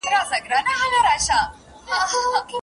ړانده سړي له ږیري سره بې ډاره اتڼ نه دی کړی.